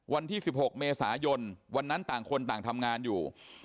วันที่๑๖เมษายนวันนั้นต่างคนต่างทำงานอยู่